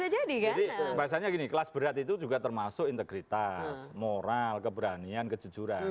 jadi biasanya gini kelas berat itu juga termasuk integritas moral keberanian kejujuran